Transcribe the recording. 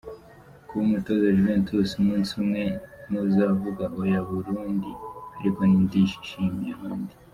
"Kuba umutoza wa Juventus umunsi umwe? Ntuzavuga oya burundi, ariko nishimiye aho ndi.